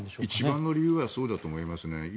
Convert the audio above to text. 一番の理由はそうだと思いますね。